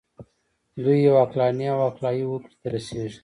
دوی یوې عقلاني او عقلایي هوکړې ته رسیږي.